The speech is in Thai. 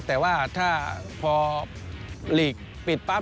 แต่ว่าถ้าพอลีกปิดปั๊บ